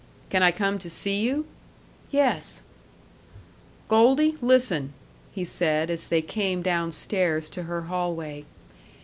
"Can I come to see you?" "Yes." "Goldie, listen," he said, as they came down stairs to her hallway.